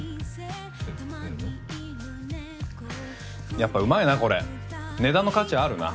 やっぱうまいなこれ値段の価値あるな。